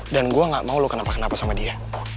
dan gue gak mau lu kenapa kenapa sama dia